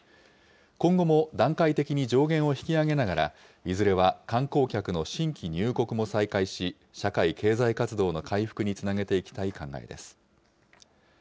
今後も段階的に上限を引き上げながら、いずれは観光客の新規入国も再開し、社会経済活動の回復につなげていきたい考えです。